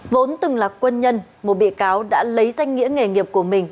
vốn từng là quân nhân một bị cáo đã lấy danh nghĩa nghề nghiệp của mình